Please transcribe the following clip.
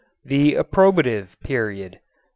The Appropriative Period 2.